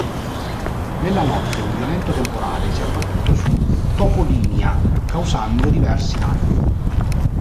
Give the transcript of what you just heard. Nella notte un violento temporale si è abbattuto su Topolinia causando diversi danni.